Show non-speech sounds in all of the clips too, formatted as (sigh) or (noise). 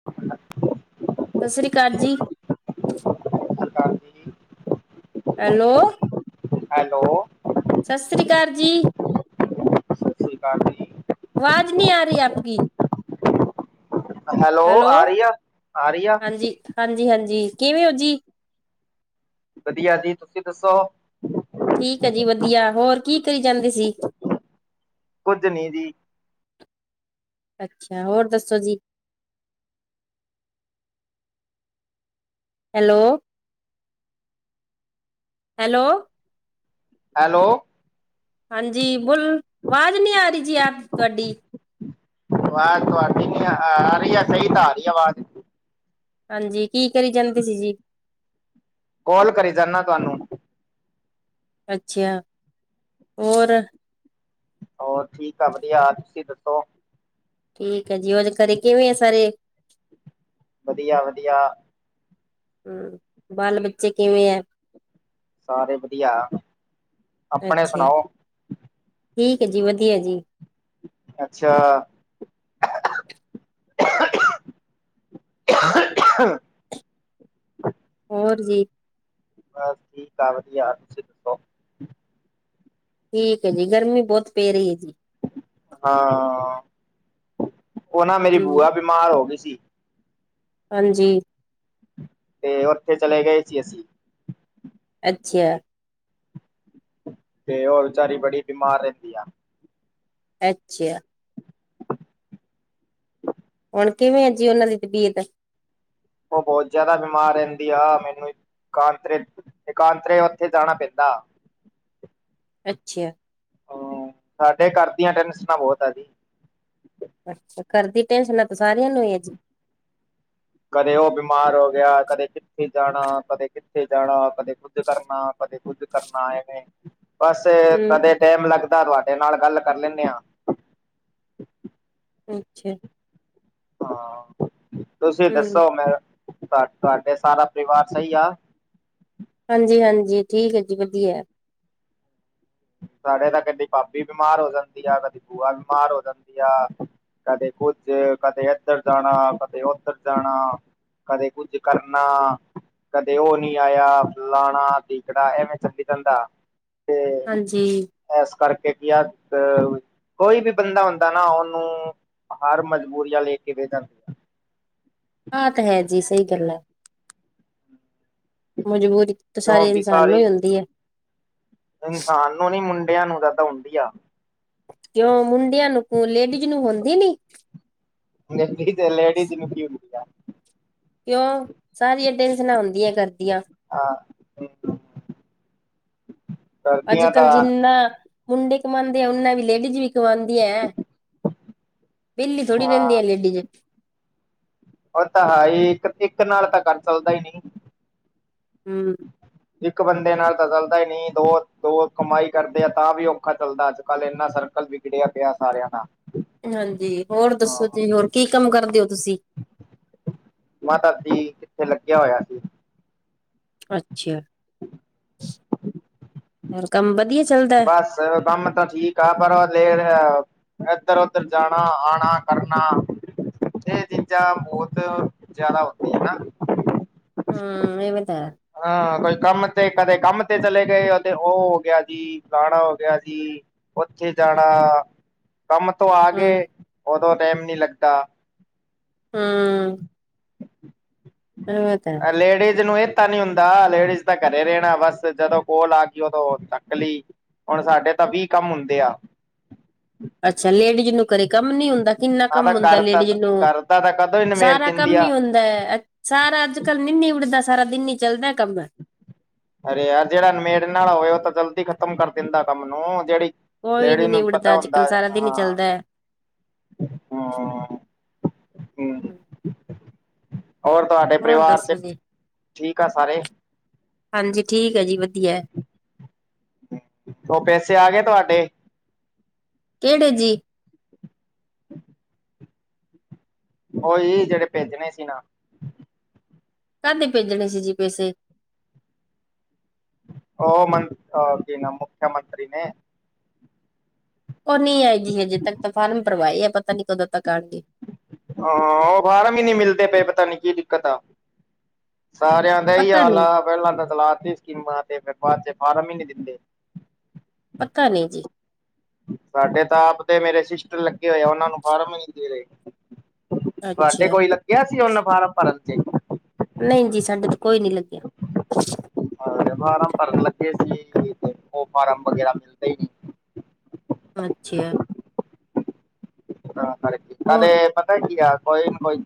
(inaudible) (inaudible) ਸਤਿ ਸ਼੍ਰੀ ਅਕਾਲ ਜੀ। ਹ (inaudible) (inaudible) ਹੈਲੋ। ਹੈਲੋ ਸਤਿ ਸ਼੍ਰੀ ਅਕਾਲ ਜੀ। ਕਾਰ ਦੀ ਆਵਾਜ਼ ਨੀ ਆ ਰਹੀ ਆਪ ਕੀ ਹੈਲੋ, ਆ ਰਹੀ ਆ ਆ ਰਹੀ ਆ ਹਾਂਜੀ- ਹਾਂਜੀ -ਹਾਂਜੀ ਕਿਵੇਂ ਓ ਹਾਂਜੀ ਵਧੀਆ ਜੀ ਤੁਸੀਂ ਦੱਸੋ। ਠੀਕ ਐ, ਜੀ ਵਧੀਆ ਹੋਰ ਕੀ ਕਰੀ ਜਾਂਦੇ ਸੀ। ਕੁੱਝ ਨੀ ਜੀ। ਅੱਛਾ, ਹੋਰ ਦੱਸੋ ਜੀ ਹੈਲੋ, ਹੈਲੋ ਹੈਲੋ ਹਾਂਜੀ, ਬੋਲ ਆਵਾਜ਼ ਨਹੀਂ ਆ ਰਹੀ ਜੀ ਯ ਤੁਹਾਡੀ ਆਵਾਜ਼ ਤੁਹਾਡੀ ਨ ਆ ਰਹੀ ਆ ਸਹੀ ਤਾਂ ਆ ਰਹੀ ਆਵਾਜ਼ ਹਾਂਜੀ ਕੀ ਕਰੀ ਜਾਂਦੇ ਸੀ ਜੀ। ਕਾਲ ਕਰੀ ਜਾਣਾ ਤੁਹਾਨੂੰ ਅੱਛਾ ਹੋਰ ਹੋਰ ਠੀਕ ਆ, ਵਧੀਆ ਤੁਸੀਂ ਦੱਸੋ? ਠੀਕ ਆ ਜੀ, ਹੋਰ ਘਰੇ ਕਿਵੇਂ ਆ ਸਾਰੇ ਵਧੀਆ ਵਧੀਆ, ਹੂੰ, ਬਾਲ ਬੱਚੇ ਕਿਵੇਂ ਆ। ਸਾਰੇ ਵਧੀਆ, ਆਪਣੇ ਅੱਛਾ ਸੁਣਾਓ ਠੀਕ ਐ, ਜੀ ਵਧੀਆ ਜੀ। ਅੱਛਾ, (unintelligible) ਔਰ ਜੀ। ਬਸ ਠੀਕ ਆ ਵਧੀਆ ਤੁਸਿ ਦੱਸੋ? ਠੀਕ ਆ ਜੀ, ਗਰਮੀ ਬਹੁਤ ਪੈ ਰਹੀ ਐ ਜੀ। ਹਾਂ, ਉਹ ਨਾ ਮੇਰੀ ਹਮ ਬੂਆ ਬਿਮਾਰ ਹੋ ਗਈ ਸੀ। ਹਾਂਜੀ, ਤੇ ਉੱਥੇ ਚਲੇ ਗਏ ਸੀ ਅਸੀਂ। ਅੱਛਾ, ਤੇ ਹੋਰ ਵਿਚਾਰੀ ਬੜੀ ਬਿਮਾਰ ਰਹਿੰਦੀ ਆ। ਅੱਛਾ, ਹੁਣ ਕਿਵੇਂ ਆ ਜੀ ਉਹਨਾਂ ਦੀ ਤਬੀਅਤ ਉਹ ਬਹੁਤ ਜ਼ਿਆਦਾ ਬਿਮਾਰ ਰਹਿੰਦੀ ਆ ਮੈਨੂੰ ਕਾਂਤ ਇਕਾਂਤਰੇ ਉੱਥੇ ਜਾਣਾ ਪੈਂਦਾ। ਅੱਛਿਆ, ਹੂੰ, ਸਾਡੇ ਘਰਦੀਆਂ ਟੈਨਸਨਾ ਬਹੁਤ ਆ ਜੀ। ਅੱਛਾ, ਘਰਦੀ ਟੈਂਸ਼ਨਾਂ ਤੇ ਸਾਰੀਆਂ ਨੂੰ ਈ ਐ ਜੀ। ਕਦੇ ਉਹ ਬਿਮਾਰ ਹੋ ਗਿਆ ਕਦੇ ਕਿੱਥੇ ਜਾਣਾ ਕਦੇ ਕਿੱਥੇ ਜਾਣਾ ਕਦੇ ਕੁਝ ਕਰਨਾ ਕਦੇ ਕੁੱਝ ਕਰਨਾ ਐਵੇਂ। ਬਸ ਹਮ ਕਦੇ ਟੈਮ ਲੱਗਦਾ ਤੁਹਾਡੇ ਨਾਲ ਗੱਲ ਕਰ ਲੈਣੇ ਆ। ਅੱਛਾ, ਹਾਂ, ਤੁਸੀਂ ਹਮ ਦੱਸੋ ਮੈਂ ਤੁਹਾਡੇ ਸਾਰਾ ਪਰਿਵਾਰ ਸਈ ਆ। ਹਾਂਜੀ-ਹਾਂਜੀ, ਠੀਕ ਐ ਜੀ ਵਧੀਆ। ਸਾਡੇ ਤਾਂ ਕਦੀ ਭਾਬੀ ਬਿਮਾਰ ਹੋ ਜਾਂਦੀ ਆ ਕਦੀ ਬੂਆ ਬਿਮਾਰ ਹੋ ਜਾਂਦੀ ਆ। ਕਦੇ ਕੁੱਝ ਕਦੇ ਇੱਧਰ ਜਾਣਾ ਕਦੇ ਉੱਧਰ ਜਾਣਾ। ਕਦੇ ਕੁੱਝ ਕਰਨਾ। ਕਦੇ ਉਹ ਨੀ ਆਇਆ ਫਲਾਣਾ ਤਿਕੜਾ ਐਵੇਂ ਚੱਲੀ ਜਾਂਦਾ ਤੇ। ਜੀ, ਇਸ ਕਰਕੇ ਕੀ ਆ ਅ ਕੋਈ ਵੀ ਬੰਦਾ ਹੁੰਦਾ ਨਾ ਉਹਨੂੰ ਹਰ ਮਜਬੂਰੀਆਂ ਲੈ ਕੇ ਬਹਿ ਜਾਂ ਆ ਤਾਂ ਹੈ ਜੀ ਸਹੀ ਗੱਲ ਆ। ਮਜਬੂਰੀ ਤੇ ਸਾਰੇ ਕਿਉਂਕਿ ਇਨਸਾਨ ਨੂੰ ਸਾਰੀ ਹੀ ਹੁੰਦੀ ਐ। ਇਨਸਾਨ ਨੂੰ ਨੀ ਮੁੰਡਿਆਂ ਨੂੰ ਦਾ ਤਾਂ ਹਡੀ ਆ ਕਿਉਂ ਮੁੰਡਿਆਂ ਨੂੰ ਲੇਡੀਜ਼ ਨੂੰ ਹੁੰਦੀ ਨੀ ਲੇਡੀਜ਼ ਨ ਕੀ ਕਿਉਂ ਸਾਰੀਆਂ ਟੈਂਸ਼ਨਾਂ ਹੁੰਦੀਆਂ ਘਰ ਦੀਆਂ। ਹਾਂ, ਅੱਜ ਸਰਦੀਆਂ ਕੱਲ੍ਹ ਦਾ ਜਿੰਨਾ ਮੁੰਡੇ ਕਮਾਂਦੇ ਆ ਓਨਾ ਵੀ ਲੇਡੀਜ਼ ਵੀ ਕਮਾਂਦੀ ਐ। ਵਿਹਲੀ ਥੋੜ੍ਹੀ ਹਾਂ ਰਰਿੰਦੀ ਲਡੀਜ਼। ਉਹ ਤਾਂ ਹੈਈ ਇੱਕ ਇੱਕ ਨਾਲ ਤਾਂ ਘਰ ਚੱਲਦਾ ਹੀ ਨਹੀਂ। ਹੂੰ, ਇੱਕ ਬੰਦੇ ਨਾਲ ਤਾਂ ਚੱਲਦਾ ਹੀ ਨਹੀਂ ਦੋ ਦੋ ਕਮਾਈ ਕਰਦੇ ਆ ਤਾਂ ਵੀ ਔਖਾ ਚੱਲਦਾ ਅੱਜ ਕੱਲ੍ਹ ਐਨਾ ਸਰਕਲ ਵੀ ਖੜਿਆ ਪਿਆ ਸਾਰਿਆਂ ਦਾ। ਹਾਂਜੀ, ਹੋਰ ਹਾਂ ਦੱਸੋ ਜੀ ਹੋਰ ਕੀ ਕੰਮ ਕਰਦੇ ਓ ਤੁਸੀਂ? ਮਾਤਾ ਜੀ ਕਿੱਥੇ ਲੱਗਿਆ ਹੋਇਆ ਸੀ ਅੱਛਾ ਹੋਰ ਕੰਮ ਵਧੀਆ ਚੱਲਦਾ ਬਸ ਕੰਮ ਤਾਂ ਠੀਕ ਆ ਪਰ ਦੇ ਇਏਧਰ ਉਧਰ ਜਾਣਾ ਆਣਾ ਕਰਨਾ ਇਹ ਚੀਜ਼ਾਂ ਬਹੁਤ ਜਿਆਦਾ ਹਦੀਆਂ ਹਨ ਨਾ ਹਮ ਇਹਵੇ ਤ ਹਾਂ ਕੋਈ ਕੰਮ ਤੇ ਕਦੇ ਕੰਮ ਤੇ ਚਲੇ ਗਏ ਉਹਦੇ ਉਹ ਹੋ ਗਿਆ ਸੀ ਪੁਾਣਾ ਹੋ ਗਿਆ ਸੀ ਉੱਥੇ ਜਾਣਾ ਕੰਮ ਤੋਂ ਆ ਹਮ ਗਏ ਉਦੋਂ ਟਾਈਮ ਨੀ ਲੱਗਦਾ ਹਮ ਇਹ ਤਾਂ ਹੈ। ਲੇਡੀਜ਼ ਨੂੰ ਪਤਾ ਨਹੀਂ ਹੁੰਦਾ ਲੇਡੀਜ਼ ਤਾਂ ਘਰੇ ਰਹਿਣਾ ਬਸ ਜਦੋਂ ਕੋਲ ਆ ਗਈ ਉਦੋਂ ਨੱਕਲੀ ਹੁਣ ਸਾਡੇ ਤਾਂ ਵੀਹ ਕੰਮ ਹੁੰਦੇ ਆ ਅੱਛਾ ਲੇਡੀਜ਼ ਨੂੰ ਕਰਰੇ ਕੰਮ ਨੀ ਹੁੰਦਾ ਕਿੰਨਾ ਨਾ ਕੰਮ ਤਾਂ ਹੁੰਦਾ ਕਰਦਾ ਲੇਡੀਜ਼ ਨੂੰ ਕਰਦਾ ਤਾਂ ਕਦੋਂ ਹੀ ਨਿਮੇੜ ਸਾਰਾ ਦਿੰਦੀ ਕੰਮ ਹੀ ਆ ਹੁੰਦਾ ਸਾਰਾ ਅੱਜ ਕੱਲ ਨ ਨ ਉੱਡਦਾ ਸਾਰਾ ਦਿਨ ਹੀ ਚੱਲਦਾ ਕੰਮ ਅਰੇ ਯਾਰ ਜਿਹੜਾ ਨਮੇੜ ਨਾਲ ਹੋਵੇ ਉਹ ਤਾਂ ਜਲਦੀ ਖ਼ਤਮ ਕਰ ਦਿੰਦਾ ਕੰਮ ਨੂੰ ਜਿਹੜੀ, ਕੋਈ ਲੇਡੀਜ ਨੀ ਨੂੰ ਨਿਬੜਦਾ ਪਤਾ ਅੱਜ ਹੁੰਦਾ ਕੱਲ ਸਾਰਾ ਦਿਨ ਹੀ ਹਾਂ, ਚੱਲਦਾ ਹੈ ਹਾਂ ਹਮ ਹੋਰ ਤੁਹਾਡੇ ਹੋਰ ਪਰਿਵਾਰ ਚ ਦੱਸੋ ਜੀ ਠੀਕ ਆ ਸਾਰੇ, ਹਾਂਜੀ ਠੀਕ ਹੈ ਜੀ ਵਧੀਆ, ਉਹ ਪੈਸੇ ਆ ਗਏ ਤੁਹਾਡੇ ਕਿਹੜੇ ਜੀ, ਉਓਹੀ ਜਿਹੜੇ ਭੇਜਣੇ ਸੀ ਨਾ, ਘਦੇ ਭੇਜਣੇ ਸੀ ਜੀ ਪੈਸੇ ਉਹ ਮੰ ਮੁੱਖ ਮੰਤਰੀ ਨੇ, ਉਹ ਨ ਆਏ ਜੀ ਹਜੇ ਤੱਕ ਤਾਂ ਫਾਰਮ ਭਰਵਾਏ ਆ ਪਤਾ ਨੀ ਕਦੋਂ ਤੱਕ ਆਉਣਗੇ। ਹਾਂ ਉਹ ਬਾਹਾਰ ਵੀ ਨੀ ਮਿਲਦੇ ਪਏ ਪਤਾ ਨੀ ਕੀ ਦਿੱਕਤ ਆ ਸਾਰਿਆਂ, ਪਤਾ ਹਾਲ ਨੀ ਆ ਪਹਿਲਾਂ ਤਲਾਤੀ ਸਕੀਮਾਂ ਤੇ ਫ ਬਾਅਦ ਚ ਬਾਰਾਂ ਮਹੀਨੇ ਦਿੰਦੇ ਪੱਕਾ ਨਹੀਂ ਜੀ ਸਾਡੇ ਤਾਂ ਆਪਦੇ ਮੇਰੇ ਸਿਸਟਰ ਲੱਗੇ ਹੋਏ ਆ ਉਹਨਾਂ ਨੂੰ ਫਾਰਮ ਨ ਦੇ ਰਹੇ ਤੁਹਾਡੇ ਅੱਛਾ ਕੋਈ ਲੱਗਿਆ ਸੀ ਉਹਨ ਫਾਰਮ ਭਰਨ ਚ ਨਹੀਂ ਜੀ ਸਾਡੇ ਤੋਂ ਕੋਈ ਨੀ ਲੱਗਿਆ ਹਾਂ ਫਾਰਮ ਭਰਨ ਲੱਗੇ ਸੀ ਤੇ ਉਹ ਫਾਰਮ ਵਗੈਰਾ ਮਿਲਦੇ ਹੀ ਨ ਅੱਛਾ ਹਾਂ ਕਰ ਹੋਰ ਕਾਲਦੇ ਪਤਾ ਕੀ ਆ ਕੋਈ ਨਾ ਕੋਈ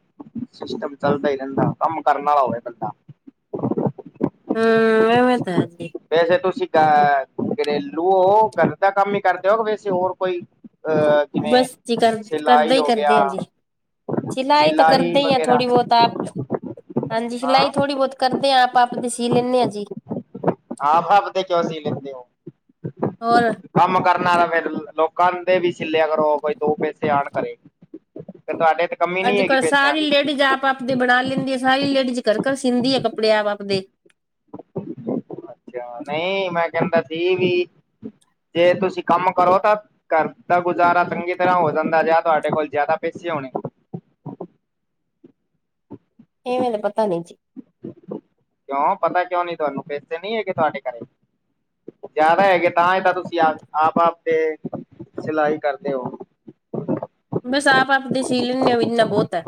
ਸਿਸਟਮ ਚੱਲਦਾ ਹੀ ਰਹਿੰਦਾ ਕੰਮ ਕਰਨ ਵਾਲਾ ਹੋਵੇ ਬੰਦਾ। ਹਮ ਵੇਂ ਤਾਂ ਅਜੀ ਵੈਸੇ ਤੁਸੀਂ ਅ ਘਰੇਲੂ ਹੋ ਗਰ ਦਾ ਕੰਮ ਹੀ ਕਰਦੇਓ ਵੈਸੇ ਹੋਰ ਕੋਈ‌। ਅ, ਕੀਵੇਂ ਬਸ ਜੀ ਕਰ, ਕਰਦੇ ਹੀ ਕਰਦੇ ਆਂ, ਜੀ। ਸਿਲਾਈ ਤਾਂ, ਕਰਦੇ ਹੀ ਆ, ਥੋੜੀ, ਬਹੁਤ ਆਪ ਹਾਂਜੀ, ਹਾਂ ਸਿਲਾਈ ਥੋੜ੍ਹੀ ਬਹੁਤ ਕਰਦੇ ਹਾਂ। ਆਪਦੇ ਸੀ ਲੈਂਨੇ ਆ ਜੀ। ਆਪ ਆਪ ਆਪਦੇ ਕਿਉਂ ਸੀ ਲੈਂਦੇ ਹੋ। ਹੋਰ ਕੰਮ ਕਰਨਾ ਤਾਂ ਫੇਿਰ ਲੋਕਾਂ ਦੇ ਵੀ ਸਿੱਲੇ ਅ ਕਰੋ ਕੋਈ। ਦੋ ਪੈਸੇ ਆਉਣ ਕਰੇ ਫ ਤੁਹਾਡੇ, ਕਮੀ ਨੀ ਅੱਜ ਹੈਗੀ ਕੱਲ੍ਹ ਪੈਸਿਆਂ ਸਾਰੀ ਦੀ ਲੇਡੀਜ਼ ਆਪ ਆਪਦੇ ਬਣਾ ਲੈਂਦੀ ਆ ਸਾਰੀ ਲੇਡੀਜ਼ ਘਰ ਘਰ ਸੀਂਦੀ ਆ ਕੱਪੜੇ ਆਪਦੇ, (inaudible) ਅੱਛਾ ਨਹੀਂ ਮੈਂ ਕਹਿੰਦਾ ਸੀ ਵੀ ਜੇ ਤੁਸੀਂ ਕੰਮ ਕਰੋ ਤਾਂ ਕਰਦਾ ਗੁਜ਼ਾਰਾ ਚੰਗੀ ਤਰ੍ਹਾਂ ਹੋ ਜਾਂਦਾ ਜ ਤੁਹਾਡੇ ਕੋਲ ਜ਼ਿਆਦਾ ਪੈਸੇ ਹੋਣੇ, ਇਹਵੇਂਲੇ ਪਤਾ ਨ ਜਜੀ ਕਿਉਂ, ਪਤਾ ਕਿਉਂ ਨੀ, ਤੁਹਾਨੂੰ! ਪੈਸੇ ਨੀ ਹੈਗੇ ਤੁਹਾਡੇ ਘਰ? ਜ਼ਿਆਦਾ ਹੈਗੇ ਤਾਂ, ਹੀ, ਤਾਂ, ਤੁਸੀਂ ਆਪ, ਆਪ-ਆਪ ਤੇ, ਸਿਲਾਈ ਕਰਦੇ ਹੋ। ਬਸ, ਆਪ-ਆਪਦੇ ਸੀ ਲੈਂਨੇ ਆ, ਇੰਨਾ ਬਹੁਤ ਹੈ।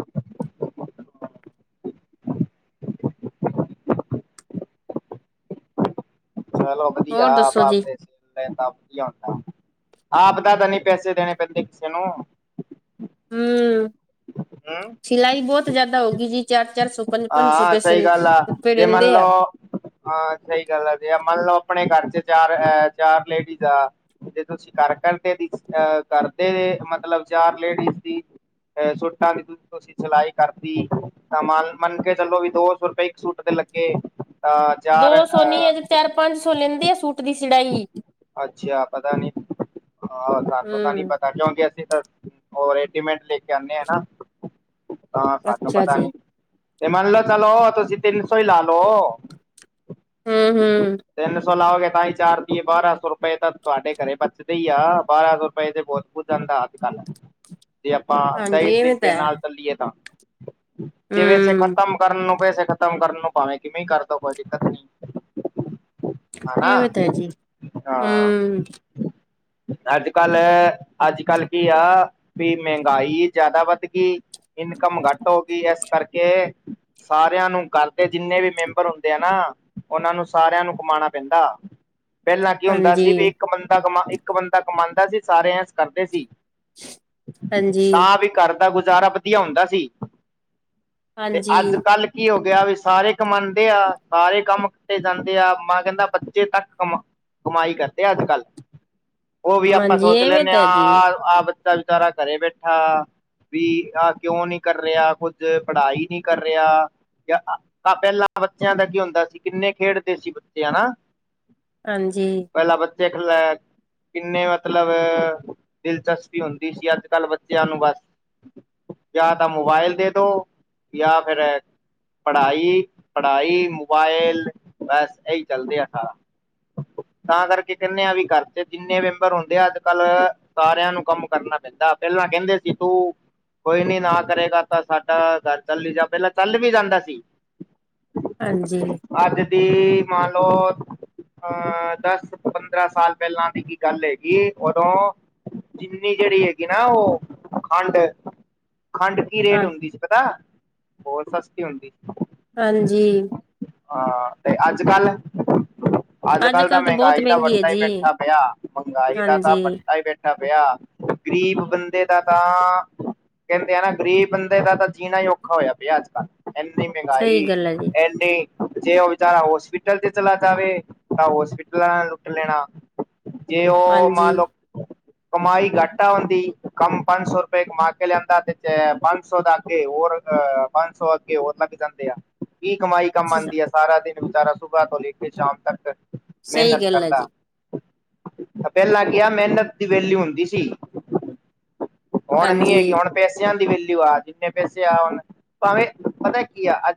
ਚਲੋ, ਵਧੀਆ! ਹੋਰ ਦੱਸੋ ਜੀ ਆਪ-ਆਪਦੇ ਆਪਦਾ ਤਾਂ, ਨਹੀਂ ਪੈਸੇ ਦੇਣੇ ਪੈਂਦੇ ਕਿਸੇ ਨੂੰ। ਹੁੰ। ਹੰ ਸਿਲਾਈ ਬਹੁਤ ਜਿਆਦਾ ਹੋ ਗਈ ਜੀ। ਚਾਰ-ਚਾਰ ਸੌ, ਪੰਜ-ਪੰਜ ਸੌ, ਹਾਂ ਸਹੀ ਪੇਸ਼ੇ, ਗੱਲ ਆ ਰੁਪਏ ਜੇ ਮੰਨ ਲੇਂਦੇ ਆ। ਲਓ ਹਾਂ, ਸਹੀ ਗੱਲ ਆ, ਜੇ, ਆ ਮੰਨ ਲਓ, ਆਪਣੇ ਘਰ'ਚ ਚਾਰ-ਚਾਰ ਲੇਡੀਜ਼ ਆ ਜੇ ਤੁਸੀਂ ਕਰ, ਕਰਦੇ, ਅਹ ਕਰਦੇ ਮਤਲਬ, ਚਾਰ ਲੇਡੀਜ਼ ਦੀ ਛੋਟਾ (unintelligible) ਤੁਸੀਂ ਸਲਾਈ ਕਰਦੀ ਤਾਂ, ਮਨ-ਮੰਨ ਕੇ, ਚਲੋ, ਵੀ ਦੋ-ਸੌ ਰੁਪਏ ਇੱਕ ਸੂਟ ਦੇ ਲੱਗੇ ਤਾਂ ਚਾਰ ਦੋ-ਸੋ ਨੀ, ਏ, ਅ ਤੇ, ਚਾਰ-ਪੰਜ ਸੌ ਲੀਂਦੇ ਆ, ਸੂਟ ਦੀ ਸੀੜਾਈ ਅੱਛਾ, ਪਤਾ ਨੀ, ਹਾਂ। ਸਾਨੂੰ ਤਾਂ, ਨੀ ਹੂੰ, ਪਤਾ ਕਿਓਂਕੀ ਅਸੀਂ ਉਹ, ਰੇਡੀਮੇਡ ਲੇਕੇ ਆਂਦੇ ਆ ਨਾ, ਤਾਂ, ਸਾਨੂੰ ਅੱਛਾ ਪਤਾ ਜੀ। ਨੀ। ਤੇ, ਮੰਨਲ ਚਲੋ, ਤੁਸੀਂ ਤਿੰਨ-ਸੋ, ਈ ਲਾ, ਲੋ। ਹੂੰ, ਹੂੰ। ਤਿੰਨ-ਸੌ ਲਾਓਗੇ, ਤਾਂ ਹੀ ਚਾਰ ਤੀਏ, ਬਾਰਾ-ਸੌ ਰੁਪਏ, ਤਾ ਤੁਹਾਡੇ ਘਰੇ ਬਚਦੇ ਹੀ ਆ। ਬਾਰਾਂ- ਸੌ ਰੁਪਏ ਤੇ, ਬਹੁ ਹੋ ਜਾਂਦਾ, ਅੱਜ-ਕੱਲ। ਆਪਾ ਸਹੀ ਹਾਂਜੀ ਇਵੇਂ ਤਾਂ ਤਰੀਕੇ ਹੈ। ਨਾਲ ਚੱਲੀਏ ਤਾ, ਜਿਵੇਂ ਹੂੰ, ਖ਼ਤਮ ਕਰਨ ਨੂੰ, ਪੇਸੇ ਖ਼ਤਮ ਕਰਨ ਨੂੰ, ਭਾਵੇਂ ਕਿਵੇਂ ਕਰਦੋ, ਕੋਈ ਦਿੱਕਤ ਨਹੀਂ। ਇਵੇਂ ਹਨਾ, ਤਾਂ ਹੈ ਜੀ। ਹਾਂ। ਹੂੰ, ਅੱਜ-ਕੱਲ, ਅੱਜ-ਕੱਲ ਕੀ ਆ, ਵੀ ਮੇਂ ਮਹਿੰਗਾਈ ਜ਼ਿਆਦਾ ਵੱਧ ਗਈ। ਇਨਕਮ ਘਟ ਹੋ ਗਈ, ਇਸ ਕਰਕੇ ਸਾਰਿਆਂ ਨੂੰ, ਘਰਦੇ ਜਿੰਨੇ ਵੀ ਮੈਂਬਰ ਹੁੰਦੇ ਆ, ਨਾ ਉਹਨਾਂ ਨੂੰ, ਸਾਰਿਆਂ ਨੂੰ ਕਮਾਣਾ ਪੇਂਦਾ। ਪਹਿਲਾਂ ਕੀ ਹੁੰਦਾ ਹਾਂਜੀ। ਸੀ, ਵੀ, ਇੱਕ ਬੰਦਾ ਕਮਾ, ਇੱਕ ਬੰਦਾ ਕਮਾਂਦਾ ਸੀ, ਸਾਰੇ ਐਸ ਕਰਦੇ ਸੀ। ਹ (inaudible) ਤਾ, ਵੀ ਘਰ ਦਾ ਗੁਜ਼ਾਰਾ ਵਧੀਆ ਹੁੰਦਾ ਸੀ। ਤੇ, ਅੱਜ ਹਾਂਜੀ। -ਕੱਲ ਕੀ ਹੋ ਗਿਆ, ਵੀ ਸਾਰੇ ਕਮਾਉਂਦੇ ਆ, ਸਾਰੇ ਕੰਮ ਕੱਟੇ ਜਾਂਦੇ ਆ। ਮਾਂ, ਕਹਿੰਦਾ ਬੱਚੇ ਤੱਕ ਕਮਾ ਕਮਾਈ ਕਰਦੇ ਆ, ਅੱਜ-ਕੱਲ, ਉਹ ਵੀ ਆਪਾਂ ਹਾਂਜੀ, ਸੋਚ ਇਵੇਂ ਲੈਂਨੇ ਤਾਂ ਹੈ ਜੀ। ਆ ਵਿਚਾਰਾ ਘਰੇ ਬੈਠਾ ਵੀ, ਆਹ ਕਿਉਂ ਨਹੀਂ ਕਰ ਰਿਹਾ, ਕੁੱਝ ਪੜ੍ਹਾਈ ਨਹੀਂ ਕਰ ਰਿਹਾ। ਪਹਿਲਾਂ ਬੱਚਿਆਂ ਦਾ ਕੀ ਹੁੰਦਾ ਸੀ, ਕਿੰਨੇ ਖੇਡਦੇ ਸੀ ਬੱਚੇ, ਹਨਾ। ਹਾਂਜੀ, ਪਹਿਲਾ ਬ ਦੇਖਲੈ, ਕਿੰਨੇ ਮਤਲਬ ਦਿਲਚਸਪੀ ਹੁੰਦੀ ਸੀ ਅੱਜ-ਕੱਲ ਚਿਆ ਨੂੰ, ਬਸ! ਯਾਂ, ਤਾ ਮੋਬਾਇਲ ਦੇ, ਦੋ, ਯਾ ਫਿਰ ਪੜ੍ਹਾਈ, ਪੜ੍ਹਾਈ, ਮੋਬਾਈਲ ਬਸ! ਇਹੀ ਚੱਲਦੇ ਸਾਰਾ (inaudible) ਤਾਂ, ਕਰਕੇ ਕਹਿੰਨੇ ਆ, ਵੀ ਘਰ'ਚ ਜਿੰਨੇ ਮੈਂਬਰ ਹੁੰਦੇ ਆ, ਅੱਜ-ਕੱਲ ਸਾਰਿਆਂ ਨੂੰ, ਕੰਮ ਕਰਨਾ ਪੈਂਦਾ। ਪਹਿਲਾਂ ਕਹਿੰਦੇ ਸੀ, ਤੂ ਕੋਈ ਨੀ, ਨਾ ਕਰੇਗਾ ਤਾ ਸਾਡਾ ਘਰ ਚੱਲ ਹੀ, ਜਾ- ਪਹਿਲਾਂ ਚੱਲ ਵੀ ਜਾਂਦਾ ਸੀ। ਹਾਂਜੀ। ਅੱਜ ਦੀ, ਮੰਨਲੋ ਅਹ, ਦਸ, ਪੰਦਰਾਂ ਸਾਲ ਪਹਿਲਾਂ ਦੀ ਕੀ, ਗੱਲ ਹੈਗੀ ਉਦੋਂ ਜਿੰਨੀ ਜਿਹੜੀ ਹੇਗੀ ਨਾ, ਉਹ ਖੰਡ। ਖੰਡ ਕੀ, ਰੇਟ ਹਾਂ ਹੁੰਦੀ ਸੀ। ਪਤਾ, ਹੋਰ ਸਸਤੀ ਹੁੰਦੀ ਹਾਂਜੀ ਹਾਂ ਤੇ ਅੱਜ ਕੱਲ ਅੱਜ ਕੱਲ ਤਾਂ ਅੱਜ-ਕੱਲ੍ਹ ਬਹੁਤ ਮਹਿੰਗਾਈ ਦਾ ਮਹਿੰਗੀ ਹੈ ਭੱਠਾ ਹੀ ਜੀ। ਬੈਠਾ ਪਿਆ ਮਹਿੰਗਾਈ ਦਾ ਤਾਂ ਹਾਂਜੀ, ਭੱਠਾ ਹੀ ਬੈਠਾ ਪਿਆ ਗਰੀਬ ਬੰਦੇ ਦਾ ਤਾਂ ਕਹਿੰਦੇ ਹਨਾ ਗ਼ਰੀਬ ਬੰਦੇ ਦਾ ਤਾਂ ਜੀਣਾ ਹੀ ਔਖਾ ਹੋਇਆ ਪਿਆ ਅੱਜ ਕੱਲ੍ਹ ਇੰਨੀ ਮਹਿੰਗਾਈ ਸਹੀ ਗੱਲ ਹੈ ਜੀ। ਐੰਨੀ ਜੇ ਉਹ ਵਿਚਾਰਾ ਹੋਸਪਿਟਲ ਤੇ ਚਲਾ ਜਾਵੇ ਤਾਂ ਹੋਸਪਿਟਲਾਂ ਨਾਲ ਲੁੱਟ ਲੈਣਾ ਜੇ ਉਹ ਹਾਂਜੀ, ਮਨ ਲਓ ਕਮਾਈ ਘੱਟ ਹੁੰਦੀ ਕੰਮ ਪੰਜ ਸੌ ਰੁਪਏ ਕਮਾਕੇ ਲਿਆਂਦਾ ਤੇ ਪੰਜ ਸੌ ਦਾ ਅੱਗੇ ਹੋਰ ਪੰਜ ਸੌ ਅੱਗੇ ਹੋਰ ਲੱਗ ਜਾਂਦੇ ਆ ਕੀ ਕਮਾਈ ਕਮਾਉਂਦੀ ਆ ਸਾਰਾ ਦਿਨ ਵਿਚਾਰਾ ਸੁਬਾਹ ਤੋਂ ਲੈ ਕੇ ਸ਼ਾਮ ਤੱਕ ਸਹੀ ਮਿਹਨਤ ਗੱਲ ਹੈ ਕਰਦਾ ਜੀ। ਪਹਿਲਾਂ ਕਿਹਾ ਮਿਹਨਤ ਦੀ ਵੈਲਿਊ ਹੁੰਦੀ ਸੀ। ਹੁਣ ਨੀ ਹੈਗੀ ਹਾਂਜੀ। ਹੁਣ ਪੈਸਿਆਂ ਦੀ ਵੈਲਿਊ ਆ ਜਿੰਨੇ ਪੈਸੇ ਆਉਣ ਭਾਵੇਂ ਪਤਾ ਕੀ ਆ ਅੱਜ